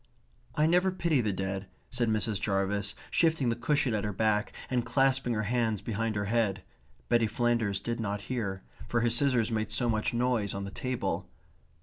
"I never pity the dead," said Mrs. Jarvis, shifting the cushion at her back, and clasping her hands behind her head. Betty Flanders did not hear, for her scissors made so much noise on the table.